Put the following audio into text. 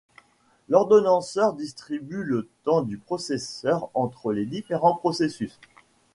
L'ordonnanceur distribue le temps du processeur entre les différents processus.